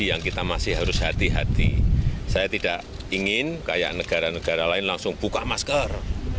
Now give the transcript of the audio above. yang kita masih harus hati hati saya tidak ingin kayak negara negara lain langsung buka masker